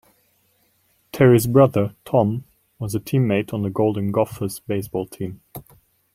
Terry's brother, Tom, was a teammate on the Golden Gophers' baseball team.